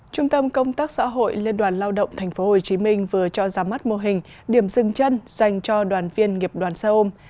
trung tâm công tác xã hội liên đoàn lao động tp hcm vừa cho ra mắt mô hình điểm dừng chân dành cho đoàn viên nghiệp đoàn xe ôm